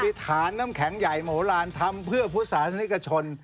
มีฐานน้ำแข็งใหญ่โหลานทำเพื่อพุทธศาสนิกชน